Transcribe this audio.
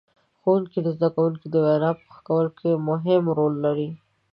ښوونکي د زدهکوونکو د وینا په ښه کولو کې مهم رول لري.